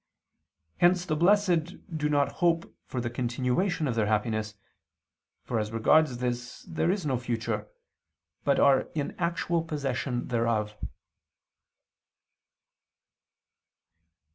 Hence the blessed do not hope for the continuation of their happiness (for as regards this there is no future), but are in actual possession thereof.